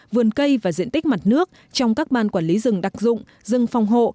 vườn cây và diện tích mặt nước trong các ban quản lý rừng đặc dụng rừng phòng hộ